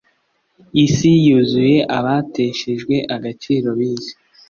isi yuzuye abateshejwe agaciro bize